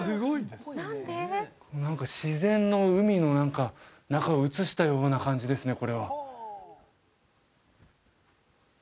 何か自然の海の中を映したような感じですね